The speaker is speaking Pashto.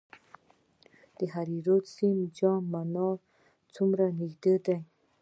هریرود سیند جام منار ته څومره نږدې دی؟